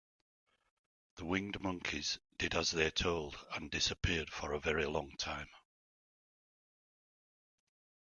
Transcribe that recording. The winged monkeys did as they told and disappeared for a very long time.